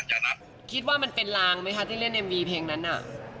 ชีวิตมันบอกไม่ถูกแล้วเนอะ